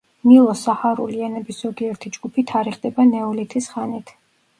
ნილო-საჰარული ენების ზოგიერთი ჯგუფი თარიღდება ნეოლითის ხანით.